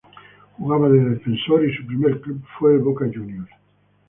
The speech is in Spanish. Jugaba de defensor y su primer club fue Boca Juniors.